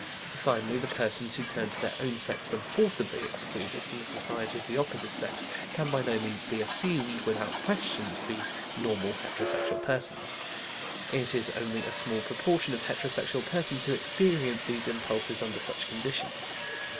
Finally, the persons who turn to their own sex when forcibly excluded from the society of the opposite sex, can by no means be assumed, without question, to be normal heterosexual persons. It is only a small proportion of heterosexual persons who experience these impulses under such conditions.